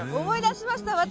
思い出しました。